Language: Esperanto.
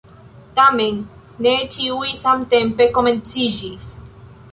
Tamen ne ĉiuj samtempe komenciĝis!